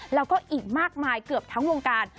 แล้วก็อีกมากมายเกือบทั้งวงการ